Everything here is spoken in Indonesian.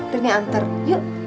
rini antar yuk